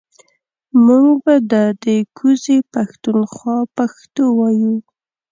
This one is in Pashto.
مونږ به ده ده کوزې پښتونخوا پښتو وايو